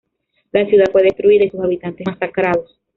La ciudad fue destruida y sus habitantes masacrados.